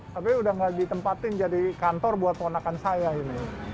tapi udah gak ditempatin jadi kantor buat ponakan saya ini